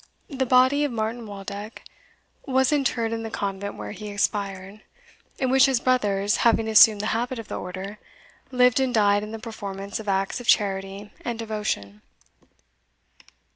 The body of Martin Waldeck was interred in the convent where he expired, in which his brothers, having assumed the habit of the order, lived and died in the performance of acts of charity and devotion.